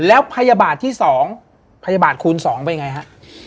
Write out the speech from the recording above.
แล้วพยาบาทที่สองพยาบาทคูณสองเป็นยังไงฮะ